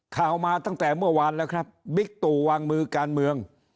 ข่าวมาตั้งแต่เมื่อวานแล้วครับบิ๊กตู่วางมือการเมือง